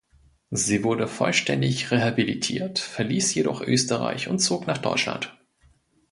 Sie wurde vollständig rehabilitiert, verließ jedoch Österreich und zog nach Deutschland.